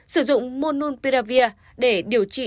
sử dụng monopiravir để điều trị